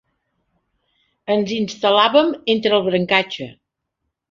Ens instal·làvem entre el brancatge.